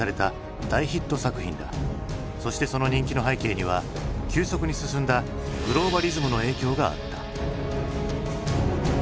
そしてその人気の背景には急速に進んだグローバリズムの影響があった。